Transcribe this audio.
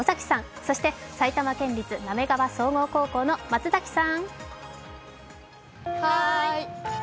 そして埼玉県立滑川総合高校の松崎さん。